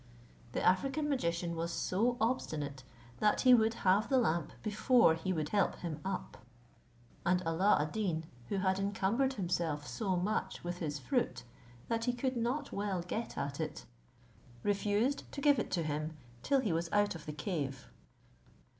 The African magician was so obstinate, that he would have the lamp before he would help him up; and Alla ad Deen, who had encumbered himself so much with his fruit that he could not well get at it, refused to give it to him till he was out of the cave.